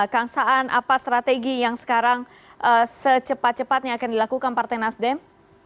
kang saan apa strategi yang sekarang secepat cepatnya akan dilakukan partai nasdem